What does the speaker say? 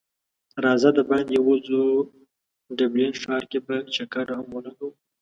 راځه د باندی وځو ډبلین ښار کی به چکر هم ولګو